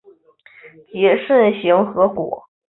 结肾形核果。